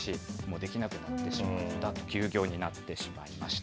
できなくなってしまった、休業になってしまいました。